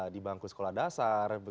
di bangku sekolah dasar